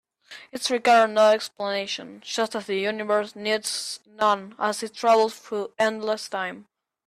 It required no explanation, just as the universe needs none as it travels through endless time.